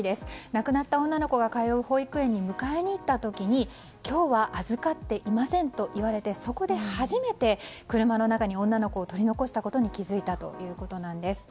亡くなった女の子が通う保育園に迎えに行った時に今日は預かっていませんといわれてそこで初めて、車の中に女の子を取り残したことに気づいたということです。